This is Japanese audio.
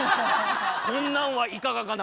「こんなんはいかがかな？」